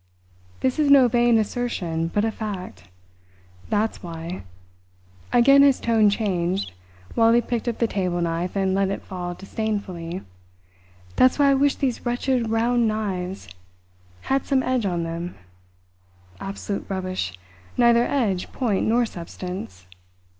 This is no vain assertion, but a fact. That's why" again his tone changed, while he picked up the table knife and let it fall disdainfully "that's why I wish these wretched round knives had some edge on them. Absolute rubbish neither edge, point, nor substance.